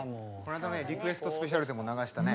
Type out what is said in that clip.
リクエストスペシャルでも流したね。